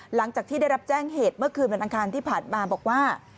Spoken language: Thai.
หลังจากที่ได้รับแจ้งเหตุเมื่อคืนวันอังคารที่ผ่านมาบอกว่า